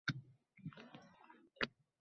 Asal muvofiklik sertifikatiga ega